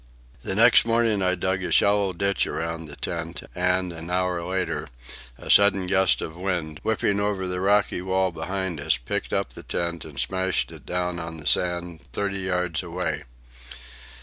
The next morning I dug a shallow ditch around the tent, and, an hour later, a sudden gust of wind, whipping over the rocky wall behind us, picked up the tent and smashed it down on the sand thirty yards away.